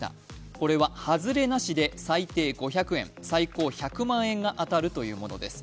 これはハズレなしで最低５００円、最高１００万円が当たるというものです。